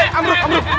kami bukan maling